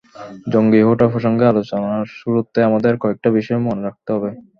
জঙ্গি হয়ে ওঠা প্রসঙ্গে আলোচনার শুরুতে আমাদের কয়েকটা বিষয় মনে রাখতে হবে।